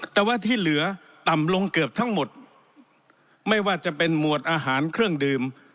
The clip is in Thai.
แต่ว่าที่เหลือต่ำลงเกือบทั้งหมดไม่ว่าจะเป็นหมวดอาหารเครื่องดื่ม